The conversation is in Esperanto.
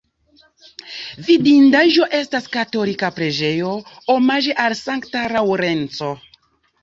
Vidindaĵo estas katolika preĝejo omaĝe al Sankta Laŭrenco.